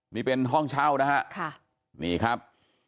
นี่เป็นห้องเช่านะฮะค่ะนี่ครับ